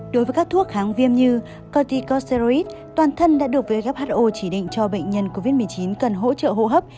đối với các thuốc kháng viêm như corticocerid toàn thân đã được who chỉ định cho bệnh nhân covid một mươi chín cần hỗ trợ hô hấp